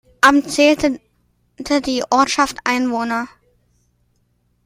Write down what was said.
Am zählte die Ortschaft Einwohner.